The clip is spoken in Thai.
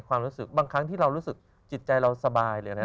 ความรู้สึกบางครั้งที่เรารู้สึกจิตใจเราสบายเลยนะ